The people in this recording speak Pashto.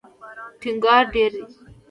ټینګار ډېر دی.